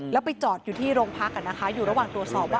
แล้วไปจอดอยู่ที่โรงพักอยู่ระหว่างตรวจสอบว่า